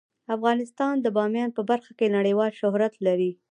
افغانستان د بامیان په برخه کې نړیوال شهرت لري.